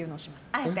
あえて。